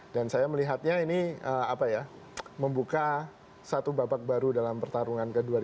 dan saya melihatnya ini membuka satu babak baru dalam pertarungan ke dua ribu dua puluh empat